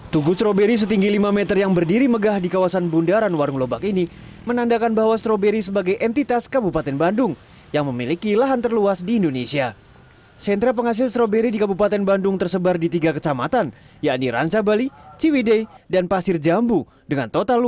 tugu stroberi pun dibangun pada dua ribu dua belas sebagai ikon baru kabupaten bandung